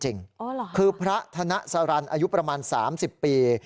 อ๋อหรอครับอคือพระธนสรรอายุประมาณ๓๐ปี